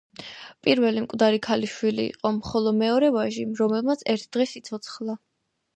პირველი მკვდარი ქალიშვილი იყო, ხოლო მეორე ვაჟი, რომელმაც ერთ დღეს იცოცხლა.